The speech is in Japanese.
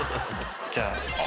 じゃあ。